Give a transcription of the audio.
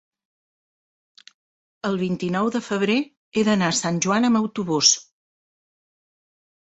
El vint-i-nou de febrer he d'anar a Sant Joan amb autobús.